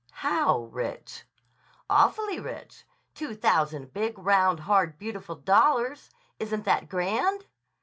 "How rich?" "Awfully rich. Two thousand big, round, hard, beautiful dollars. Isn't that grand!"